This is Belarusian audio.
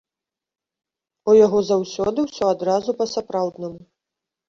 У яго заўсёды ўсё адразу па-сапраўднаму.